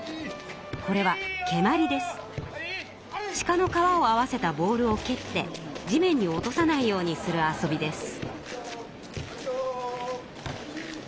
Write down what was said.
これはしかの皮を合わせたボールを蹴って地面に落とさないようにする遊びです。